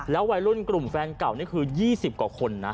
แล้ววัยรุ่นกลุ่มแฟนเก่านี่คือยี่สิบก่อนคนน่ะ